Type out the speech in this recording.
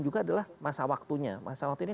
juga adalah masa waktunya masa waktunya